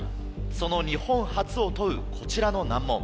その日本初を問うこちらの難問。